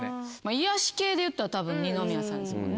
癒やし系でいったらたぶん二宮さんですもんね。